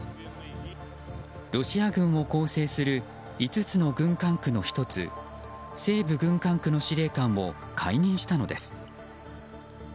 ロシア軍を構成する５つの軍管区の１つ西部軍管区の司令官を解任したのです。